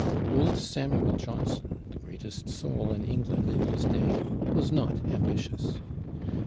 Old Samuel Johnson, the greatest soul in England in his day, was not ambitious.